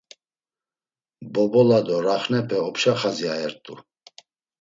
Bobola do raxnape opşa xadzi ayert̆u.